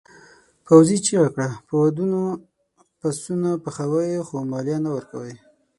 پوځي چیغه کړه په ودونو پسونه پخوئ خو مالیه نه ورکوئ.